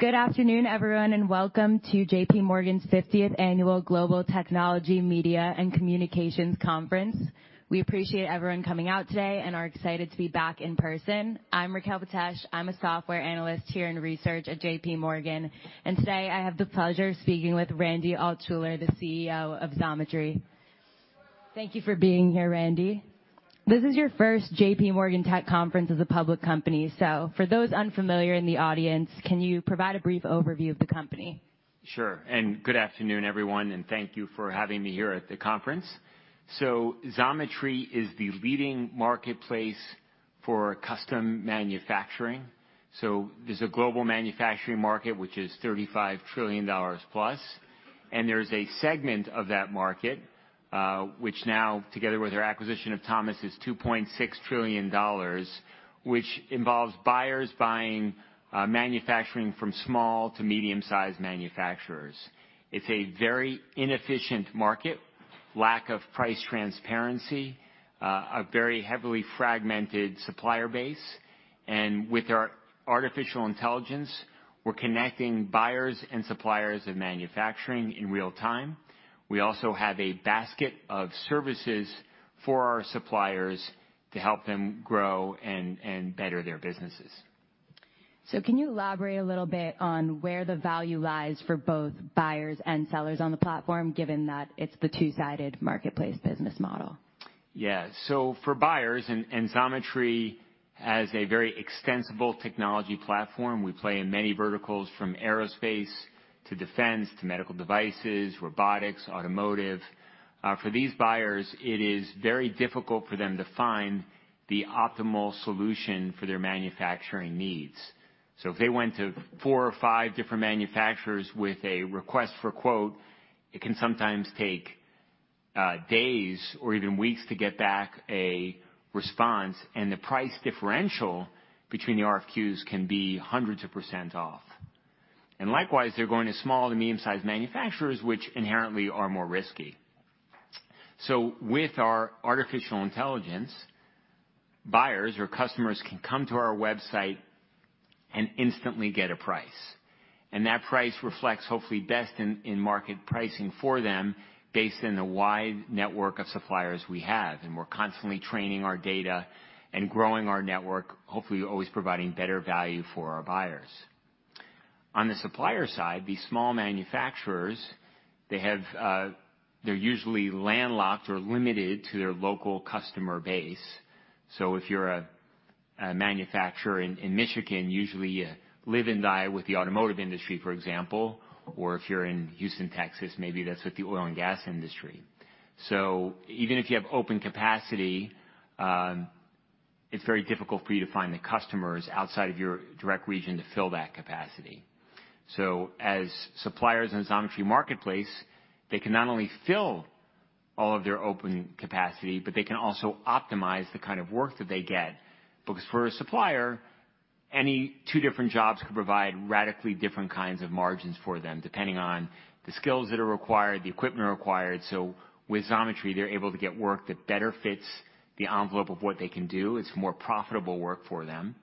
Good afternoon, everyone, and welcome to JPMorgan's 50th Annual Global Technology, Media and Communications Conference. We appreciate everyone coming out today and are excited to be back in person. I'm Raquel Betesh. I'm a software analyst here in research at JPMorgan, and today I have the pleasure of speaking with Randy Altschuler, the Chief Executive Officer of Xometry. Thank you for being here, Randy. This is your first JPMorgan technology conference as a public company. For those unfamiliar in the audience, can you provide a brief overview of the company? Sure. Good afternoon, everyone, and thank you for having me here at the conference. Xometry is the leading marketplace for custom manufacturing. There's a global manufacturing market which is $35 trillion+, and there's a segment of that market, which now together with our acquisition of Thomas is $2.6 trillion, which involves buyers buying manufacturing from small to medium-sized manufacturers. It's a very inefficient market, lack of price transparency, a very heavily fragmented supplier base. With our artificial intelligence, we're connecting buyers and suppliers of manufacturing in real time. We also have a basket of services for our suppliers to help them grow and better their businesses. Can you elaborate a little bit on where the value lies for both buyers and sellers on the platform, given that it's the two-sided marketplace business model? Yeah. For buyers, and Xometry has a very extensible technology platform. We play in many verticals from aerospace to defense to medical devices, robotics, automotive. For these buyers, it is very difficult for them to find the optimal solution for their manufacturing needs. If they went to four or five different manufacturers with a request for quote, it can sometimes take days or even weeks to get back a response, and the price differential between the RFQs can be hundreds of % off. Likewise, they're going to small to medium-sized manufacturers, which inherently are more risky. With our artificial intelligence, buyers or customers can come to our website and instantly get a price. That price reflects hopefully best in market pricing for them based on the wide network of suppliers we have. We're constantly training our data and growing our network, hopefully always providing better value for our buyers. On the supplier side, these small manufacturers, they have, they're usually landlocked or limited to their local customer base. If you're a manufacturer in Michigan, usually you live and die with the automotive industry, for example. If you're in Houston, Texas, maybe that's with the oil and gas industry. Even if you have open capacity, it's very difficult for you to find the customers outside of your direct region to fill that capacity. As suppliers in Xometry marketplace, they can not only fill all of their open capacity, but they can also optimize the kind of work that they get, because for a supplier, any two different jobs could provide radically different kinds of margins for them, depending on the skills that are required, the equipment required. With Xometry, they're able to get work that better fits the envelope of what they can do. It's more profitable work for them.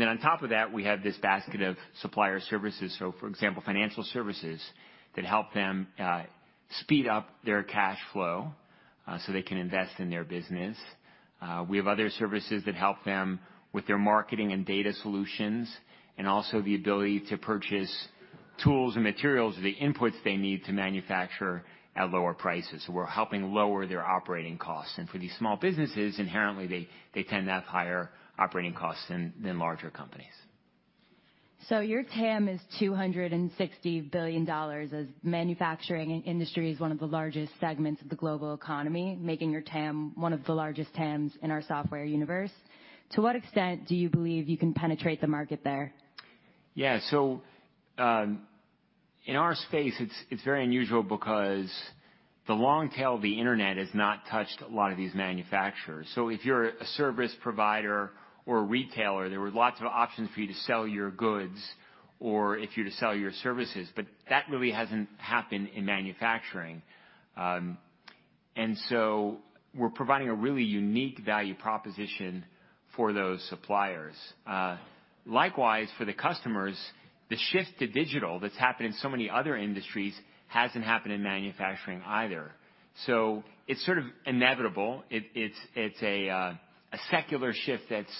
Then on top of that, we have this basket of supplier services. For example, financial services that help them speed up their cash flow so they can invest in their business. We have other services that help them with their marketing and data solutions, and also the ability to purchase tools and materials, the inputs they need to manufacture at lower prices. We're helping lower their operating costs. For these small businesses, inherently, they tend to have higher operating costs than larger companies. Your TAM is $260 billion as manufacturing industry is one of the largest segments of the global economy, making your TAM one of the largest TAMs in our software universe. To what extent do you believe you can penetrate the market there? Yeah. In our space, it's very unusual because the long tail of the Internet has not touched a lot of these manufacturers. If you're a service provider or a retailer, there are lots of options for you to sell your goods or if you're to sell your services, but that really hasn't happened in manufacturing. We're providing a really unique value proposition for those suppliers. Likewise, for the customers, the shift to digital that's happened in so many other industries hasn't happened in manufacturing either. It's sort of inevitable. It's a secular shift that's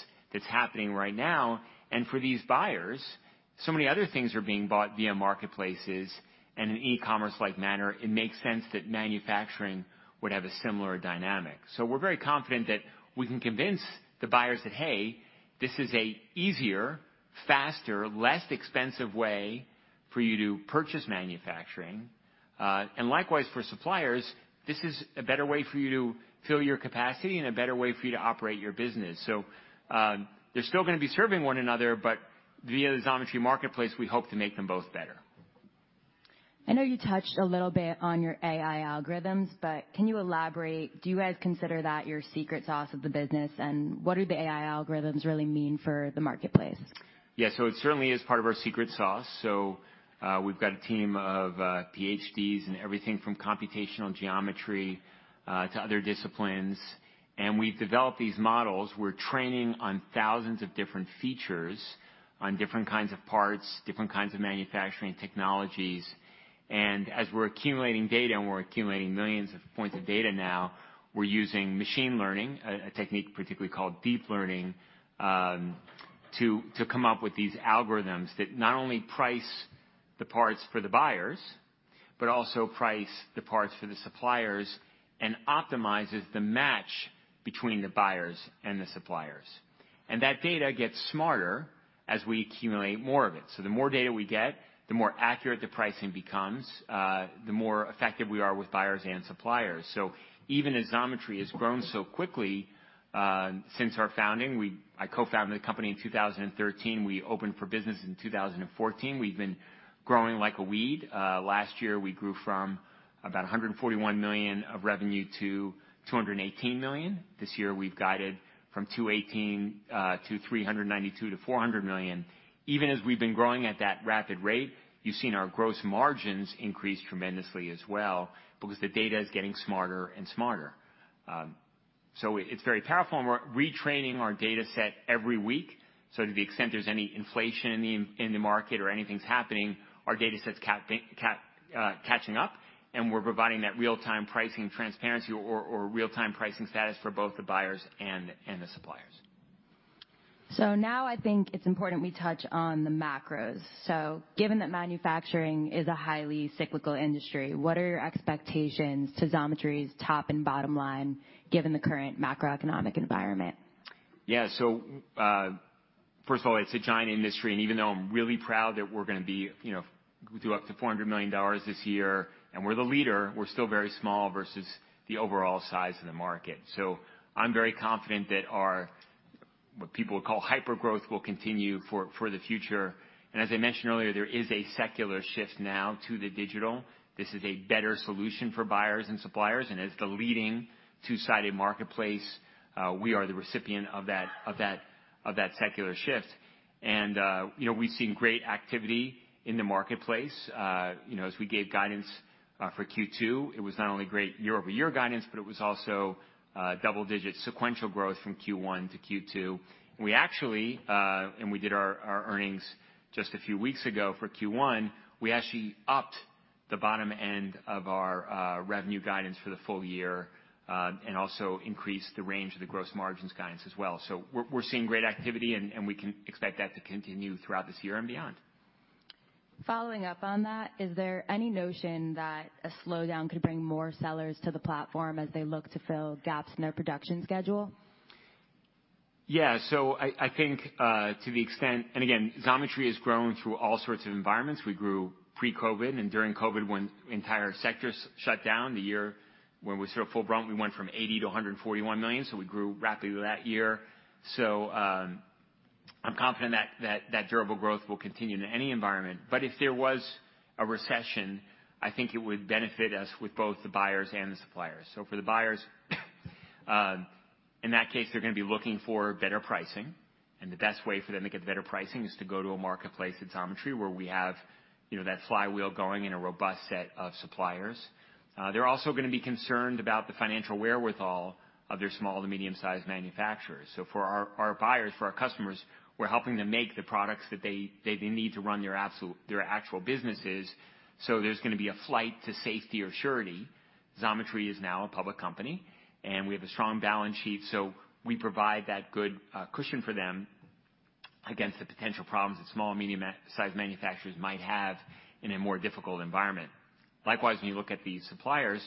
happening right now. For these buyers, so many other things are being bought via marketplaces and in e-commerce like manner. It makes sense that manufacturing would have a similar dynamic. We're very confident that we can convince the buyers that, hey, this is an easier, faster, less expensive way for you to purchase manufacturing. Likewise for suppliers, this is a better way for you to fill your capacity and a better way for you to operate your business. They're still gonna be serving one another, but via the Xometry marketplace, we hope to make them both better. I know you touched a little bit on your AI algorithms, but can you elaborate? Do you guys consider that your secret sauce of the business? What do the AI algorithms really mean for the marketplace? Yeah. It certainly is part of our secret sauce. We've got a team of Ph.D.s in everything from computational geometry to other disciplines, and we've developed these models. We're training on thousands of different features on different kinds of parts, different kinds of manufacturing technologies. As we're accumulating data, and we're accumulating millions of points of data now, we're using machine learning, a technique particularly called deep learning, to come up with these algorithms that not only price the parts for the buyers, but also price the parts for the suppliers and optimizes the match between the buyers and the suppliers. That data gets smarter as we accumulate more of it. The more data we get, the more accurate the pricing becomes, the more effective we are with buyers and suppliers. Even as Xometry has grown so quickly since our founding, I co-founded the company in 2013. We opened for business in 2014. We've been growing like a weed. Last year we grew from about $141 million of revenue to $218 million. This year we've guided from $218 million-$392 million, $392 million-$400 million. Even as we've been growing at that rapid rate, you've seen our gross margins increase tremendously as well because the data is getting smarter and smarter. It's very powerful, and we're retraining our data set every week. To the extent there's any inflation in the market or anything's happening, our data set's catching up, and we're providing that real-time pricing transparency or real-time pricing status for both the buyers and the suppliers. Now I think it's important we touch on the macros. Given that manufacturing is a highly cyclical industry, what are your expectations to Xometry's top and bottom line given the current macroeconomic environment? Yeah. First of all, it's a giant industry, and even though I'm really proud that we're gonna be, you know, do up to $400 million this year, and we're the leader, we're still very small versus the overall size of the market. I'm very confident that our, what people would call hypergrowth will continue for the future. As I mentioned earlier, there is a secular shift now to the digital. This is a better solution for buyers and suppliers, and as the leading two-sided marketplace, we are the recipient of that secular shift. You know, we've seen great activity in the marketplace. You know, as we gave guidance for Q2, it was not only great year-over-year guidance, but it was also double-digit sequential growth from Q1-Q2. We actually did our earnings just a few weeks ago for Q1. We actually upped the bottom end of our revenue guidance for the full year, and also increased the range of the gross margins guidance as well. We're seeing great activity, and we can expect that to continue throughout this year and beyond. Following up on that, is there any notion that a slowdown could bring more sellers to the platform as they look to fill gaps in their production schedule? Yeah. I think, to the extent. Again, Xometry has grown through all sorts of environments. We grew pre-COVID and during COVID when entire sectors shut down. The year when we saw full brunt, we went from $80 million to $141 million, so we grew rapidly that year. I'm confident that durable growth will continue in any environment. If there was a recession, I think it would benefit us with both the buyers and the suppliers. For the buyers, in that case, they're gonna be looking for better pricing, and the best way for them to get better pricing is to go to a marketplace at Xometry where we have, you know, that flywheel going in a robust set of suppliers. They're also gonna be concerned about the financial wherewithal of their small to medium-sized manufacturers. For our buyers, for our customers, we're helping them make the products that they need to run their actual businesses, so there's gonna be a flight to safety or surety. Xometry is now a public company, and we have a strong balance sheet, so we provide that good cushion for them against the potential problems that small and medium-sized manufacturers might have in a more difficult environment. Likewise, when you look at the suppliers,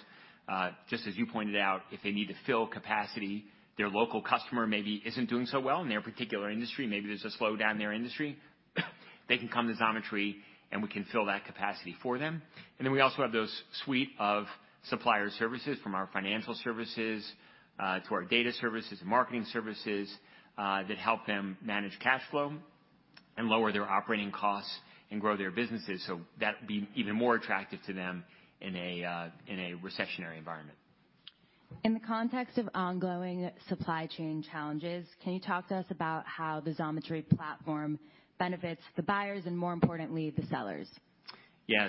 just as you pointed out, if they need to fill capacity, their local customer maybe isn't doing so well in their particular industry, maybe there's a slowdown in their industry, they can come to Xometry, and we can fill that capacity for them. We also have those suite of supplier services from our financial services, to our data services and marketing services, that help them manage cash flow and lower their operating costs and grow their businesses. That'd be even more attractive to them in a recessionary environment. In the context of ongoing supply chain challenges, can you talk to us about how the Xometry platform benefits the buyers and, more importantly, the sellers? Yeah.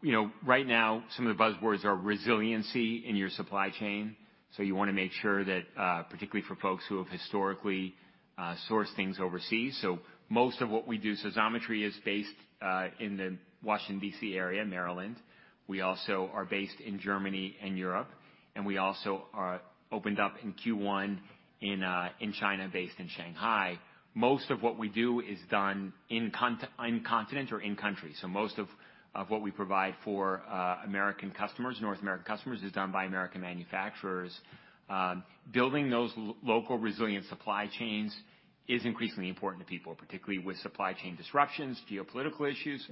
You know, right now, some of the buzzwords are resiliency in your supply chain. You wanna make sure that, particularly for folks who have historically sourced things overseas. Most of what we do, so Xometry is based in the Washington, D.C. area, Maryland. We also are based in Germany and Europe, and we also are opened up in Q1 in China based in Shanghai. Most of what we do is done on continent or in country. Most of what we provide for American customers, North American customers, is done by American manufacturers. Building those local resilient supply chains is increasingly important to people, particularly with supply chain disruptions, geopolitical issues,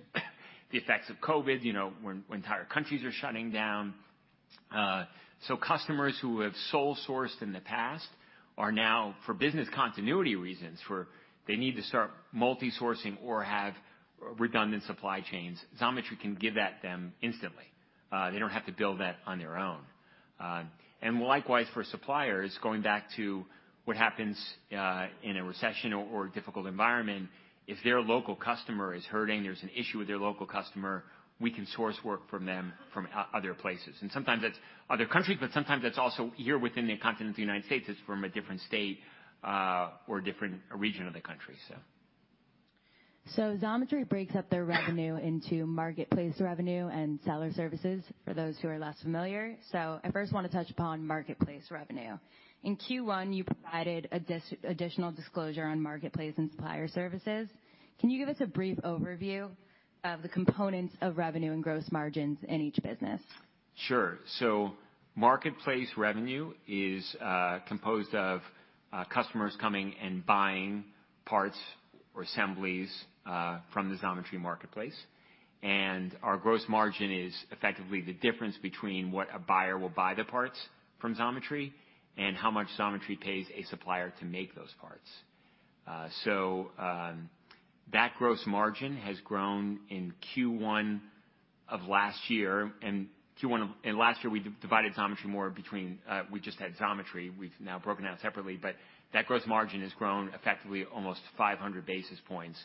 the effects of COVID, you know, when entire countries are shutting down. Customers who have sole sourced in the past are now, for business continuity reasons, they need to start multi-sourcing or have redundant supply chains. Xometry can give that to them instantly. They don't have to build that on their own. Likewise for suppliers, going back to what happens in a recession or a difficult environment, if their local customer is hurting, there's an issue with their local customer, we can source work from them from other places. Sometimes that's other countries, but sometimes that's also here within the continent of the United States. It's from a different state or a different region of the country. Xometry breaks up their revenue into marketplace revenue and seller services for those who are less familiar. I first wanna touch upon marketplace revenue. In Q1, you provided additional disclosure on marketplace and supplier services. Can you give us a brief overview of the components of revenue and gross margins in each business? Sure. Marketplace revenue is composed of customers coming and buying parts or assemblies from the Xometry marketplace. Our gross margin is effectively the difference between what a buyer will buy the parts from Xometry and how much Xometry pays a supplier to make those parts. That gross margin has grown in Q1 of last year. Last year, we divided Xometry more between. We just had Xometry. We've now broken out separately, but that gross margin has grown effectively almost 500 basis points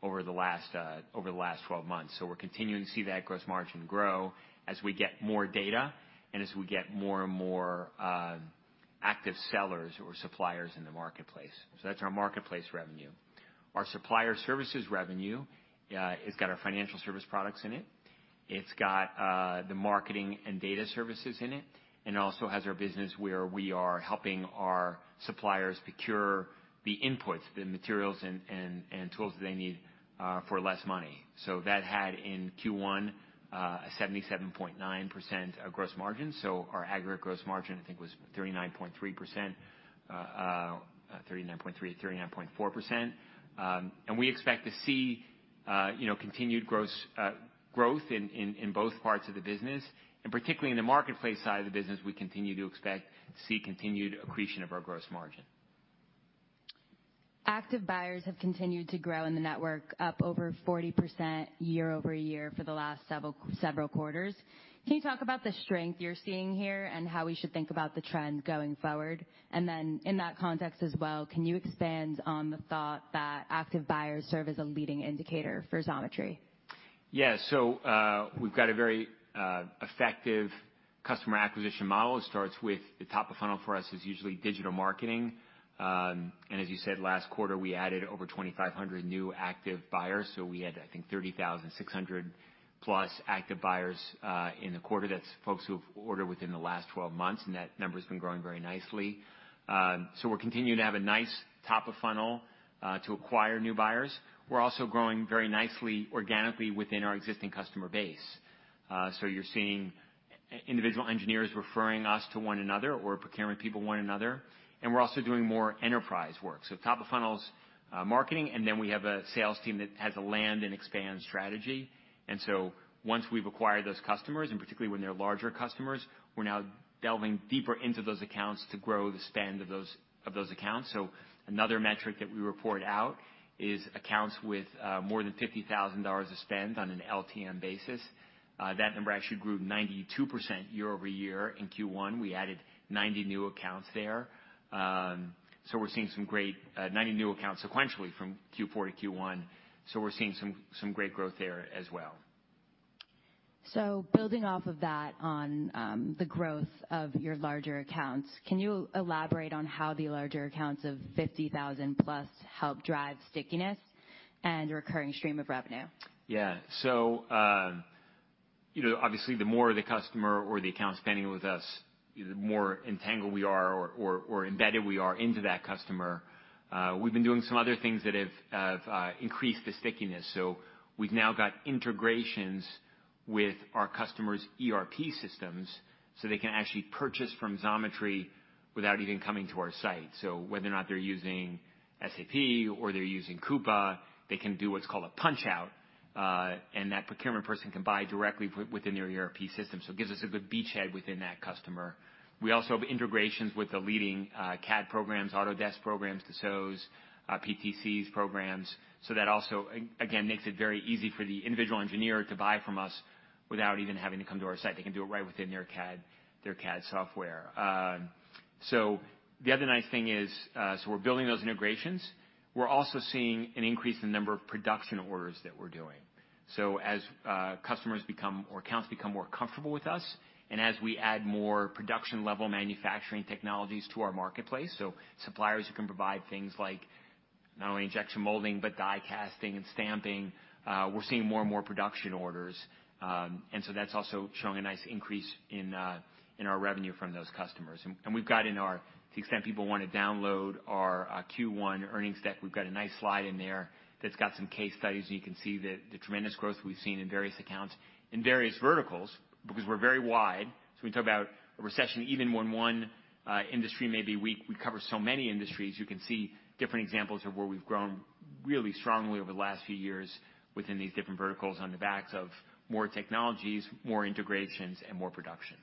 over the last 12 months. We're continuing to see that gross margin grow as we get more data and as we get more and more active sellers or suppliers in the marketplace. That's our marketplace revenue. Our supplier services revenue has got our financial service products in it. It's got the marketing and data services in it, and it also has our business where we are helping our suppliers procure the inputs, the materials and tools that they need for less money. That had in Q1 a 77.9% of gross margin. Our aggregate gross margin, I think, was 39.3%, 39.4%. We expect to see, you know, continued gross growth in both parts of the business, and particularly in the marketplace side of the business, we continue to expect to see continued accretion of our gross margin. Active buyers have continued to grow in the network, up over 40% year-over-year for the last several quarters. Can you talk about the strength you're seeing here and how we should think about the trend going forward? In that context as well, can you expand on the thought that active buyers serve as a leading indicator for Xometry? Yeah. We've got a very effective customer acquisition model. It starts with the top of funnel for us is usually digital marketing. As you said, last quarter, we added over 2,500 new active buyers. We had, I think, 30,600+ active buyers in the quarter. That's folks who have ordered within the last 12 months, and that number has been growing very nicely. We're continuing to have a nice top of funnel to acquire new buyers. We're also growing very nicely organically within our existing customer base. You're seeing individual engineers referring us to one another or procurement people one another, and we're also doing more enterprise work. Top of funnel's marketing, and then we have a sales team that has a land and expand strategy. Once we've acquired those customers, and particularly when they're larger customers, we're now delving deeper into those accounts to grow the spend of those accounts. Another metric that we report out is accounts with more than $50,000 of spend on an LTM basis. That number actually grew 92% year-over-year in Q1. We added 90 new accounts there. We're seeing some great 90 new accounts sequentially from Q4-Q1, so we're seeing some great growth there as well. Building off of that on, the growth of your larger accounts, can you elaborate on how the larger accounts of $50,000+ help drive stickiness and recurring stream of revenue? Yeah. You know, obviously, the more the customer or the account spending with us, the more entangled we are or embedded we are into that customer. We've been doing some other things that have increased the stickiness. We've now got integrations with our customers' ERP systems, so they can actually purchase from Xometry without even coming to our site. Whether or not they're using SAP or they're using Coupa, they can do what's called a punch out, and that procurement person can buy directly within their ERP system. It gives us a good beachhead within that customer. We also have integrations with the leading CAD programs, Autodesk programs, Dassault's, PTC's programs. That also again makes it very easy for the individual engineer to buy from us without even having to come to our site. They can do it right within their CAD, their CAD software. The other nice thing is we're building those integrations. We're also seeing an increase in number of production orders that we're doing. As customers or accounts become more comfortable with us and as we add more production-level manufacturing technologies to our marketplace, suppliers who can provide things like not only injection molding but die casting and stamping, we're seeing more and more production orders. That's also showing a nice increase in our revenue from those customers. To the extent people wanna download our Q1 earnings deck, we've got a nice slide in there that's got some case studies, and you can see the tremendous growth we've seen in various accounts in various verticals because we're very wide. When we talk about a recession, even when one industry may be weak, we cover so many industries. You can see different examples of where we've grown really strongly over the last few years within these different verticals on the backs of more technologies, more integrations, and more production.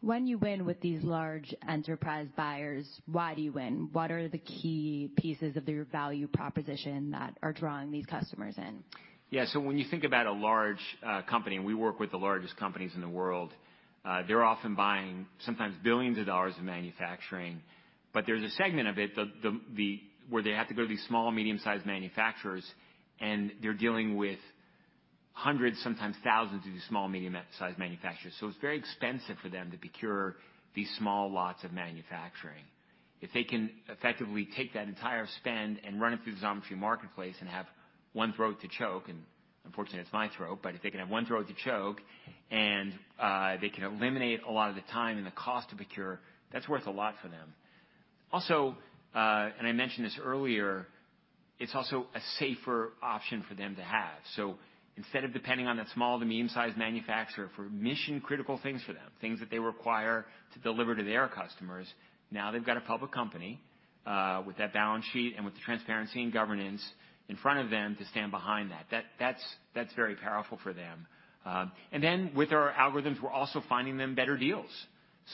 When you win with these large enterprise buyers, why do you win? What are the key pieces of your value proposition that are drawing these customers in? Yeah. When you think about a large company, and we work with the largest companies in the world, they're often buying sometimes billions of U.S.$ of manufacturing. There's a segment of it where they have to go to these small, medium-sized manufacturers, and they're dealing with hundreds, sometimes thousands of these small, medium-sized manufacturers. It's very expensive for them to procure these small lots of manufacturing. If they can effectively take that entire spend and run it through the Xometry marketplace and have one throat to choke, and unfortunately it's my throat, but if they can have one throat to choke and they can eliminate a lot of the time and the cost to procure, that's worth a lot for them. Also, I mentioned this earlier, it's also a safer option for them to have. Instead of depending on that small to medium-sized manufacturer for mission-critical things for them, things that they require to deliver to their customers, now they've got a public company with that balance sheet and with the transparency and governance in front of them to stand behind that. That's very powerful for them. With our algorithms, we're also finding them better deals.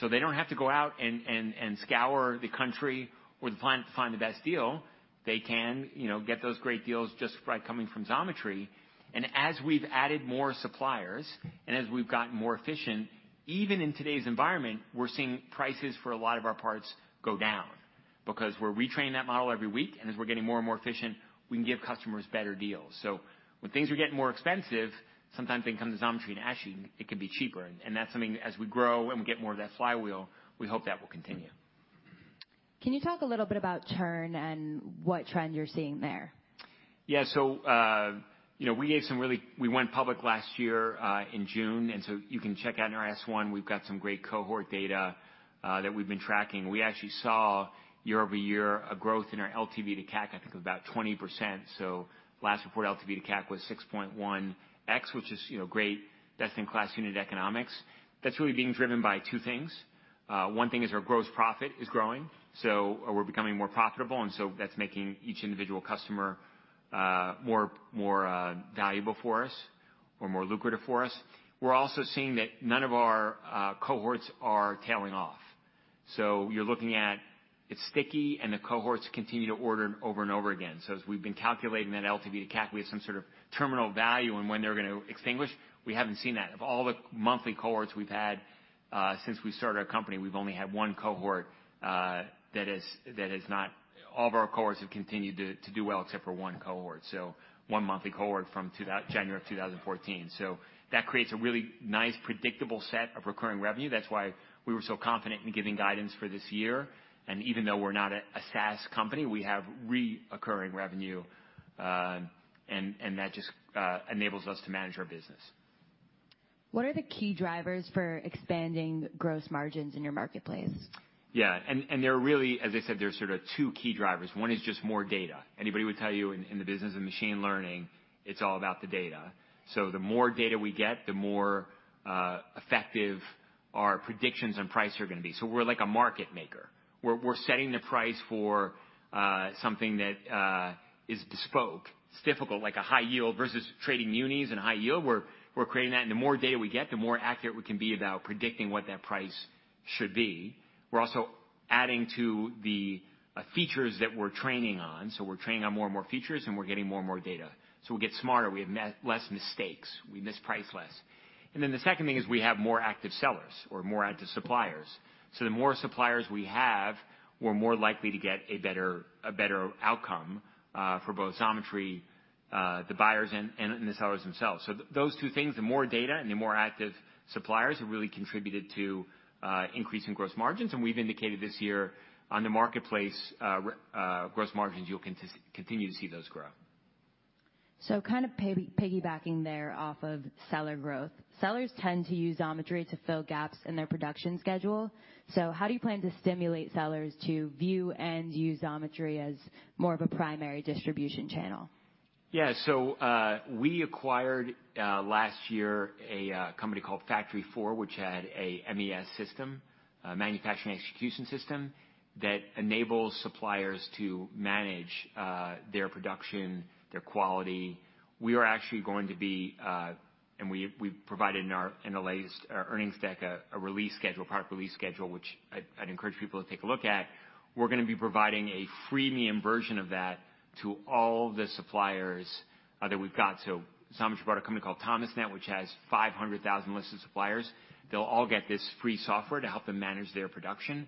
They don't have to go out and scour the country or the planet to find the best deal. They can, you know, get those great deals just by coming from Xometry. As we've added more suppliers and as we've gotten more efficient, even in today's environment, we're seeing prices for a lot of our parts go down because we're retraining that model every week, and as we're getting more and more efficient, we can give customers better deals. When things are getting more expensive, sometimes they can come to Xometry, and actually it can be cheaper. That's something as we grow and we get more of that flywheel, we hope that will continue. Can you talk a little bit about churn and what trend you're seeing there? Yeah. You know, we went public last year in June, and you can check out in our S-1. We've got some great cohort data that we've been tracking. We actually saw year-over-year a growth in our LTV to CAC, I think of about 20%. Last report, LTV to CAC was 6.1x, which is, you know, great. Best-in-class unit economics. That's really being driven by two things. One thing is our gross profit is growing, so we're becoming more profitable, and that's making each individual customer more valuable for us or more lucrative for us. We're also seeing that none of our cohorts are tailing off. You're looking at, it's sticky and the cohorts continue to order over and over again. As we've been calculating that LTV to CAC, we have some sort of terminal value on when they're gonna extinguish. We haven't seen that. Of all the monthly cohorts we've had since we started our company, we've only had one cohort that is not. All of our cohorts have continued to do well except for one cohort. One monthly cohort from January of 2014. That creates a really nice predictable set of recurring revenue. That's why we were so confident in giving guidance for this year. Even though we're not a SaaS company, we have recurring revenue and that just enables us to manage our business. What are the key drivers for expanding gross margins in your marketplace? Yeah, there are really, as I said, there's sort of two key drivers. One is just more data. Anybody would tell you in the business of machine learning, it's all about the data. The more data we get, the more effective our predictions on price are gonna be. We're like a market maker. We're setting the price for something that is bespoke. It's difficult, like a high yield versus trading munis and high yield. We're creating that, and the more data we get, the more accurate we can be about predicting what that price should be. We're also adding to the features that we're training on. We're training on more and more features, and we're getting more and more data. We get smarter. We make less mistakes. We misprice less. The second thing is we have more active sellers or more active suppliers. The more suppliers we have, we're more likely to get a better outcome for both Xometry, the buyers and the sellers themselves. Those two things, the more data and the more active suppliers, have really contributed to increase in gross margins. We've indicated this year on the marketplace. Gross margins, you'll continue to see those grow. Kind of piggybacking there off of seller growth. Sellers tend to use Xometry to fill gaps in their production schedule. How do you plan to stimulate sellers to view and use Xometry as more of a primary distribution channel? Yeah, we acquired last year a company called FactoryFour, which had a MES system, a manufacturing execution system, that enables suppliers to manage their production, their quality. We actually provided in our latest earnings deck a product release schedule, which I'd encourage people to take a look at. We're gonna be providing a freemium version of that to all the suppliers that we've got. Xometry bought a company called Thomasnet, which has 500,000 listed suppliers. They'll all get this free software to help them manage their production.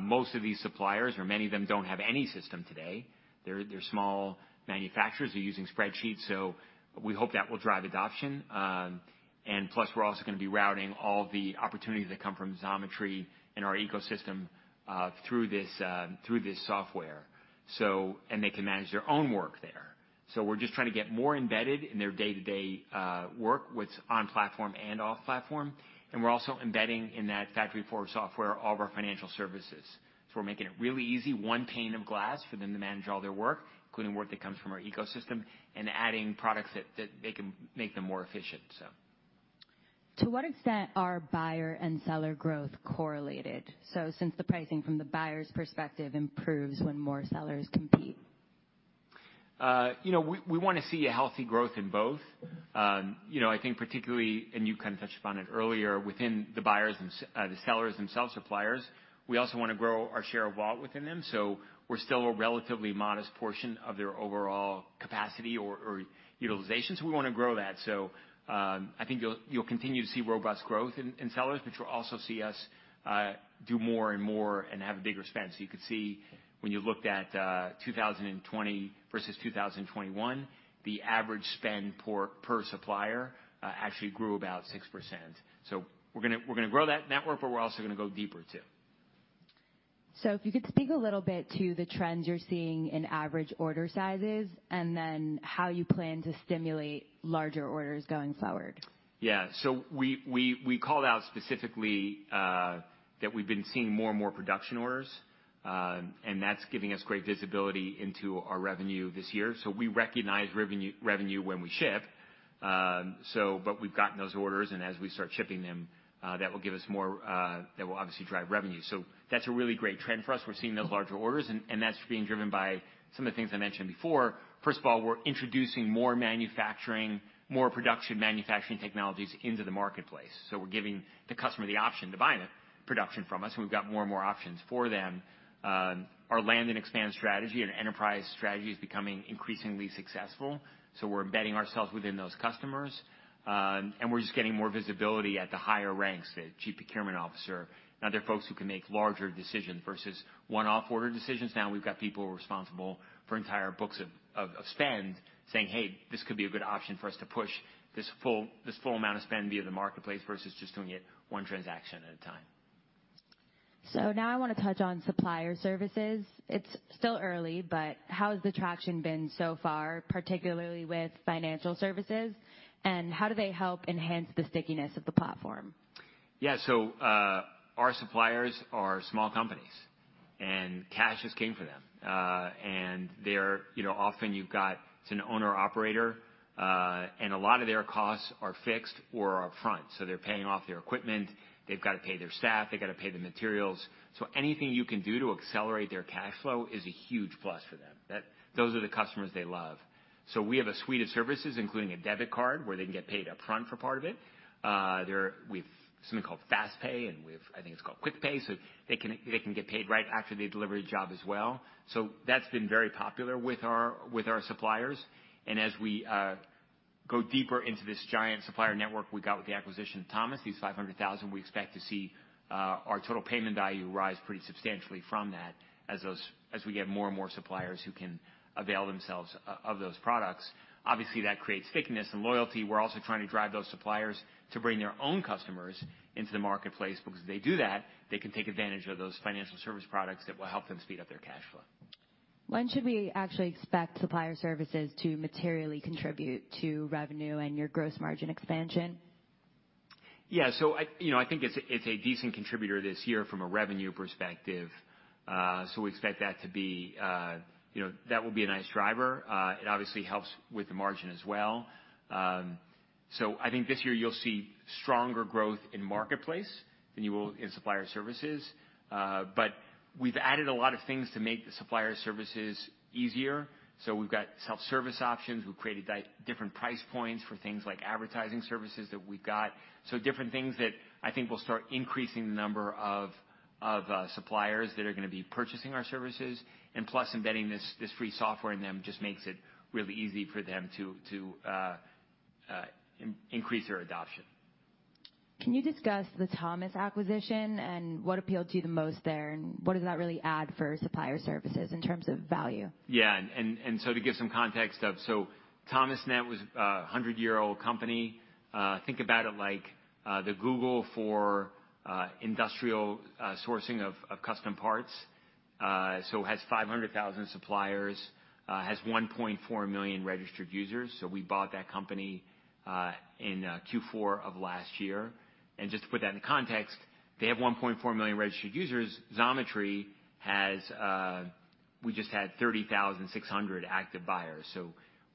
Most of these suppliers or many of them don't have any system today. They're small manufacturers. They're using spreadsheets, so we hope that will drive adoption. We're also gonna be routing all the opportunities that come from Xometry and our ecosystem through this through this software. They can manage their own work there. We're just trying to get more embedded in their day-to-day work, what's on platform and off platform, and we're also embedding in that FactoryFour software all of our financial services. We're making it really easy, one pane of glass for them to manage all their work, including work that comes from our ecosystem and adding products that they can make them more efficient. To what extent are buyer and seller growth correlated? Since the pricing from the buyer's perspective improves when more sellers compete. You know, we wanna see a healthy growth in both. You know, I think particularly, and you kind of touched upon it earlier, within the buyers and the sellers themselves, suppliers, we also wanna grow our share of wallet within them. We're still a relatively modest portion of their overall capacity or utilization, so we wanna grow that. I think you'll continue to see robust growth in sellers, but you'll also see us do more and more, and have a bigger spend. You could see when you looked at 2020 versus 2021, the average spend per supplier actually grew about 6%. We're gonna grow that network, but we're also gonna go deeper too. If you could speak a little bit to the trends you're seeing in average order sizes, and then how you plan to stimulate larger orders going forward. Yeah. We called out specifically that we've been seeing more and more production orders, and that's giving us great visibility into our revenue this year. We recognize revenue when we ship. But we've gotten those orders, and as we start shipping them, that will obviously drive revenue. That's a really great trend for us. We're seeing those larger orders and that's being driven by some of the things I mentioned before. First of all, we're introducing more manufacturing, more production manufacturing technologies into the marketplace, so we're giving the customer the option to buy the production from us, and we've got more and more options for them. Our land and expand strategy and enterprise strategy is becoming increasingly successful, so we're embedding ourselves within those customers. We're just getting more visibility at the higher ranks, the chief procurement officer and other folks who can make larger decisions versus one-off order decisions. Now we've got people who are responsible for entire books of spend saying, "Hey, this could be a good option for us to push this full amount of spend via the marketplace versus just doing it one transaction at a time. Now I wanna touch on supplier services. It's still early, but how has the traction been so far, particularly with financial services, and how do they help enhance the stickiness of the platform? Yeah, our suppliers are small companies, and cash is king for them. They're, you know, often it's an owner-operator, and a lot of their costs are fixed or upfront, so they're paying off their equipment, they've gotta pay their staff, they gotta pay the materials. Anything you can do to accelerate their cash flow is a huge plus for them. Those are the customers they love. We have a suite of services, including a debit card, where they can get paid upfront for part of it. We have something called Fast Pay, and we have, I think it's called Quick Pay, so they can get paid right after they deliver a job as well. That's been very popular with our suppliers. As we go deeper into this giant supplier network we got with the acquisition of Thomas, these 500,000 suppliers, we expect to see our total payment value rise pretty substantially from that as we get more and more suppliers who can avail themselves of those products. Obviously, that creates stickiness and loyalty. We're also trying to drive those suppliers to bring their own customers into the marketplace, because if they do that, they can take advantage of those financial service products that will help them speed up their cash flow. When should we actually expect supplier services to materially contribute to revenue and your gross margin expansion? Yeah. I, you know, I think it's a decent contributor this year from a revenue perspective. We expect that to be, you know, that will be a nice driver. It obviously helps with the margin as well. I think this year you'll see stronger growth in marketplace than you will in supplier services. We've added a lot of things to make the supplier services easier. We've got self-service options. We've created different price points for things like advertising services that we've got. Different things that I think will start increasing the number of suppliers that are gonna be purchasing our services. Plus, embedding this free software in them just makes it really easy for them to increase their adoption. Can you discuss the Thomas acquisition and what appealed to you the most there, and what does that really add for supplier services in terms of value? Yeah, to give some context, Thomasnet was a 100-year-old company. Think about it like the Google for industrial sourcing of custom parts. It has 500,000 suppliers, has 1.4 million registered users. We bought that company in Q4 of last year. Just to put that into context, they have 1.4 million registered users. Xometry has, we just had 30,600 active buyers.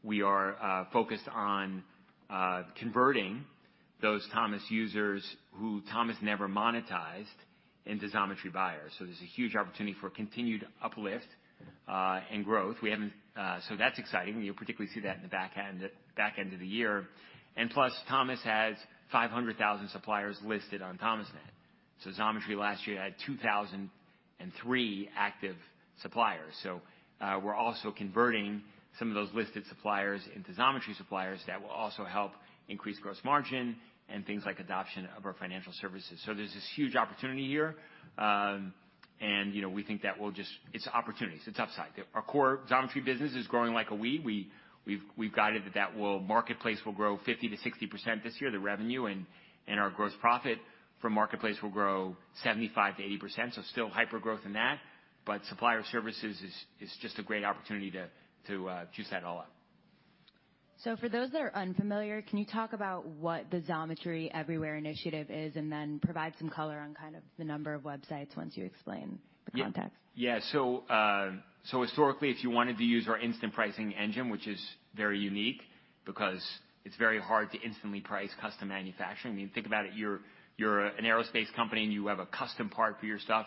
We are focused on converting those Thomas users who Thomas never monetized into Xometry buyers. There's a huge opportunity for continued uplift and growth. That's exciting. You'll particularly see that in the back end of the year. Plus, Thomas has 500,000 suppliers listed on Thomasnet. Xometry last year had 2,003 active suppliers. We're also converting some of those listed suppliers into Xometry suppliers. That will also help increase gross margin and things like adoption of our financial services. There's this huge opportunity here. You know, we think that will just. It's opportunities. It's upside. Our core Xometry business is growing like a weed. We've guided that the marketplace will grow 50%-60% this year, the revenue, and our gross profit from marketplace will grow 75%-80%. Still hyper-growth in that, but supplier services is just a great opportunity to juice that all up. For those that are unfamiliar, can you talk about what the Xometry Everywhere initiative is, and then provide some color on kind of the number of websites once you explain the context? Historically, if you wanted to use our instant pricing engine, which is very unique because it's very hard to instantly price custom manufacturing. I mean, think about it, you're an aerospace company, and you have a custom part for your stuff,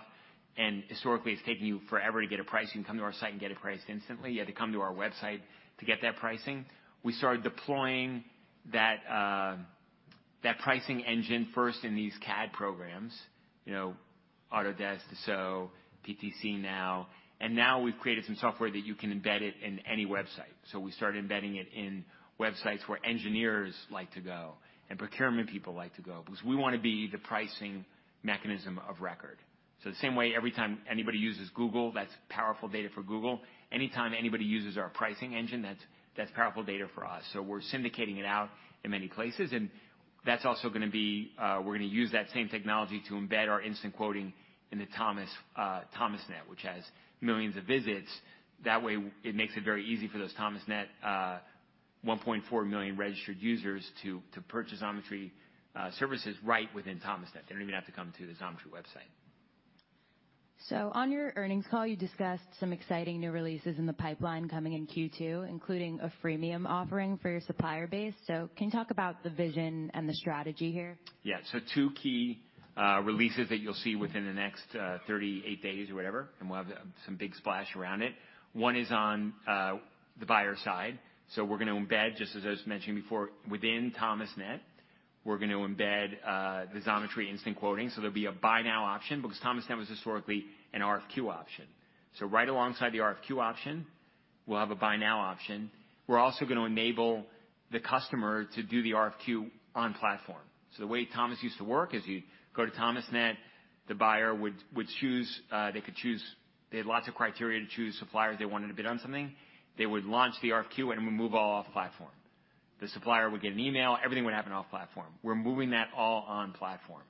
and historically, it's taken you forever to get a price. You can come to our site and get it priced instantly. You had to come to our website to get that pricing. We started deploying that pricing engine first in these CAD programs, you know, Autodesk, Dassault, PTC now, and now we've created some software that you can embed it in any website. We started embedding it in websites where engineers like to go and procurement people like to go, because we wanna be the pricing mechanism of record. The same way every time anybody uses Google, that's powerful data for Google. Anytime anybody uses our pricing engine, that's powerful data for us. We're syndicating it out in many places. That's also gonna be, we're gonna use that same technology to embed our instant quoting into Thomasnet, which has millions of visits. That way, it makes it very easy for those Thomasnet 1.4 million registered users to purchase Xometry services right within Thomasnet. They don't even have to come to the Xometry website. On your earnings call, you discussed some exciting new releases in the pipeline coming in Q2, including a freemium offering for your supplier base. Can you talk about the vision and the strategy here? Yeah. Two key releases that you'll see within the next 38 days or whatever, and we'll have some big splash around it. One is on the buyer side. We're gonna embed, just as I was mentioning before, within Thomasnet, we're gonna embed the Xometry instant quoting, so there'll be a buy now option, because Thomasnet was historically an RFQ option. Right alongside the RFQ option, we'll have a buy now option. We're also gonna enable the customer to do the RFQ on platform. The way Thomas used to work is you go to Thomasnet, the buyer would choose, they could choose. They had lots of criteria to choose suppliers they wanted to bid on something. They would launch the RFQ, and it would move all off platform. The supplier would get an email. Everything would happen off platform. We're moving that all on platform.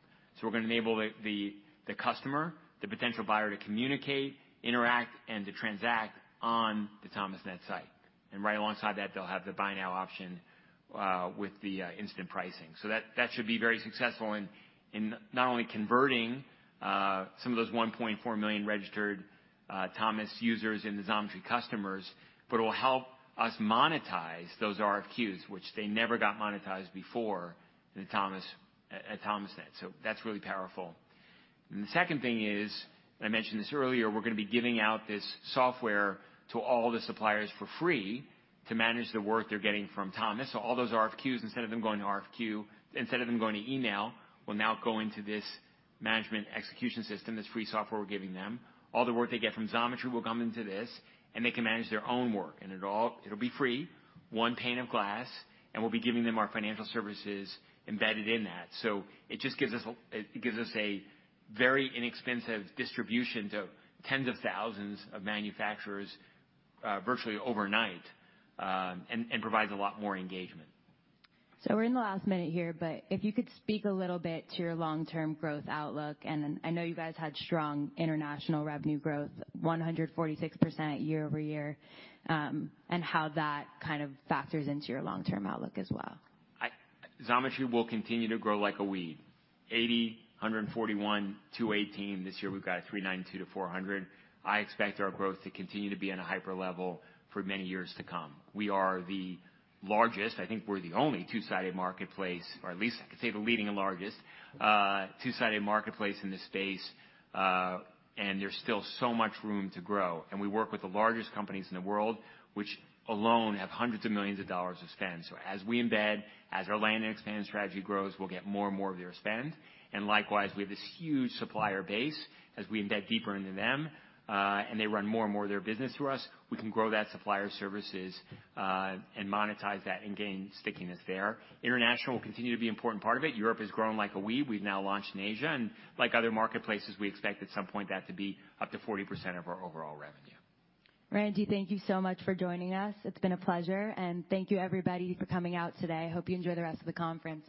We're gonna enable the customer, the potential buyer to communicate, interact, and to transact on the Thomasnet site. Right alongside that, they'll have the buy now option with the instant pricing. That should be very successful in not only converting some of those 1.4 million registered Thomas users into Xometry customers, but it will help us monetize those RFQs, which they never got monetized before with Thomas at Thomasnet. That's really powerful. The second thing is, and I mentioned this earlier, we're gonna be giving out this software to all the suppliers for free to manage the work they're getting from Thomas. All those RFQs, instead of them going to RFQ, instead of them going to email, will now go into this manufacturing execution system, this free software we're giving them. All the work they get from Xometry will come into this, and they can manage their own work. It'll be free, one pane of glass, and we'll be giving them our financial services embedded in that. It just gives us a very inexpensive distribution to tens of thousands of manufacturers, virtually overnight, and provides a lot more engagement. We're in the last minute here, but if you could speak a little bit to your long-term growth outlook, and then I know you guys had strong international revenue growth, 146% year-over-year, and how that kind of factors into your long-term outlook as well. Xometry will continue to grow like a weed. $80 million, $141 million, $218 million. This year, we've got $392 million-$400 million. I expect our growth to continue to be in a hyper level for many years to come. We are the largest. I think we're the only two-sided marketplace, or at least I could say the leading and largest two-sided marketplace in this space, and there's still so much room to grow. We work with the largest companies in the world, which alone have hundreds of millions of dollars of spend. As we embed, as our land and expand strategy grows, we'll get more and more of their spend. Likewise, we have this huge supplier base. As we embed deeper into them, and they run more and more of their business through us, we can grow that supplier services, and monetize that and gain stickiness there. International will continue to be an important part of it. Europe has grown like a weed. We've now launched in Asia, and like other marketplaces, we expect at some point that to be up to 40% of our overall revenue. Randy, thank you so much for joining us. It's been a pleasure. Thank you everybody for coming out today. Hope you enjoy the rest of the conference.